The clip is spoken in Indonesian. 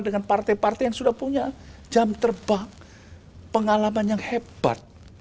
dengan partai partai yang sudah punya jam terbang pengalaman yang hebat